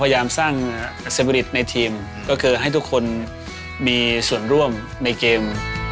พยายามสร้างเซบิริตในทีมก็คือให้ทุกคนมีส่วนร่วมในเกม